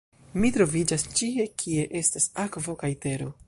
"Mi troviĝas ĉie kie estas akvo kaj tero."